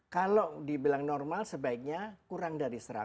kalau dibilang normal sebaiknya kurang dari seratus